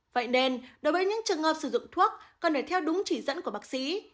vậy nên đối với những trường hợp sử dụng thuốc cần phải theo đúng chỉ dẫn của bác sĩ